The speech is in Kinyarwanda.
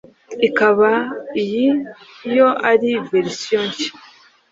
ikaba iyi yo ari version nshya